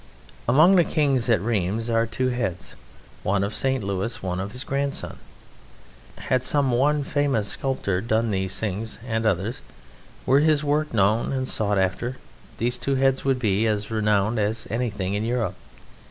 Among the kings at Rheims are two heads, one of St. Louis, one of his grandson. Had some one famous sculptor done these things and others, were his work known and sought after, these two heads would be as renowned as anything in Europe.